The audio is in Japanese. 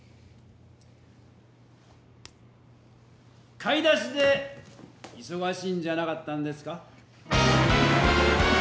買い出しでいそがしいんじゃなかったんですか？